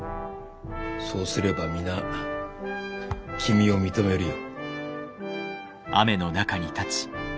そうすれば皆君を認めるよ。